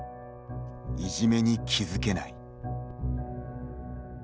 いじめに気付けない。